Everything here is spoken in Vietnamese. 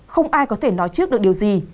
không ai có thể nói trước được điều gì